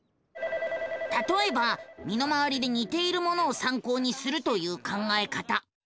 たとえば身の回りでにているものをさんこうにするという考え方。